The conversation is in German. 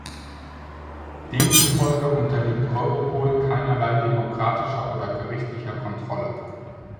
Demzufolge unterliegt Europol keinerlei demokratischer oder gerichtlicher Kontrolle.